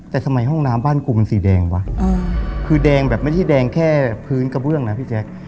แต่ทำไมห้องน้ำบ้านกูมันสีแดงวะคือแดงแบบไม่ใช่แดงแค่พื้นกระเบื้องนะพี่แจ๊ค